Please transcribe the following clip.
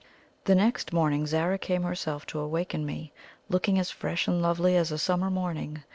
The next morning Zara came herself to awaken me, looking as fresh and lovely as a summer morning.